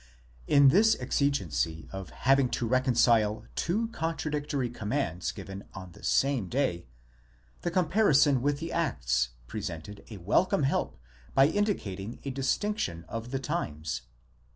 In this exigency of having to reconcile two contradictory commands given on the same day, the comparison with the Acts presented a welcome help by indicating a distinction of the times.